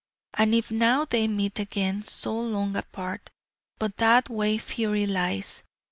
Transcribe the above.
And if now they meet again, so long apart ...but that way fury lies.